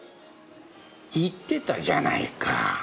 言ってたじゃないか。